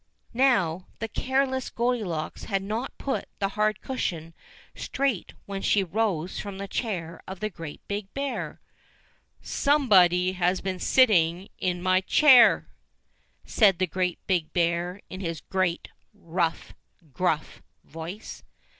Now the careless Goldilocks had not put the hard cushion straight when she rose from the chair of the Great Big Bear. "SOMEBODY HAS BEEN SITTING IN MY CHAIR!" said the Great Big Bear in his great, rough, gruff voice.